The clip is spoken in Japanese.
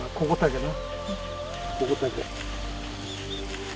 ここだけ。